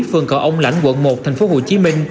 phường cầu ông lãnh quận một tp hcm